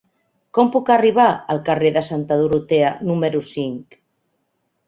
Com puc arribar al carrer de Santa Dorotea número cinc?